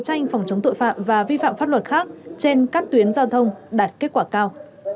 tranh phòng chống tội phạm và vi phạm pháp luật khác trên các tuyến giao thông đạt kết quả cao